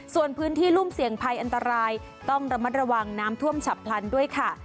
ส่วนพื้นที่รุ่มเสี่ยงภัยอันตรายต้องระมัดระวังน้ำท่วมฉับพลันด้วยค่ะ